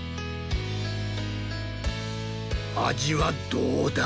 味はどうだ？